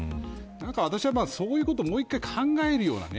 私は、そういうことをもう一回考えるような。